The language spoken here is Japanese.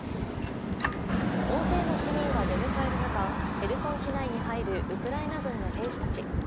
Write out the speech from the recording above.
大勢の市民が出迎える中、ヘルソン市内に入るウクライナ軍の兵士たち。